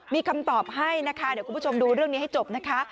มีคำตอบให้นะคะเดี๋ยวคุณผู้ชมดูเรื่องนี้ให้จบนะคะ